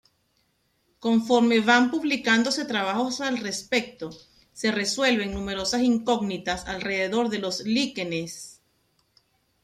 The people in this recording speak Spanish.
Conforme van publicándose trabajos al respecto se resuelven numerosas incógnitas alrededor de los líquenes.